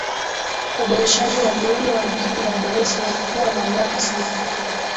Uboreshaji wa Muundo wa Jiji la Dar es Salaam kuwa mamlaka sita